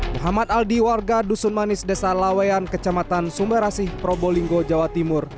muhammad aldi warga dusun manis desa laweyan kecamatan sumberasih probolinggo jawa timur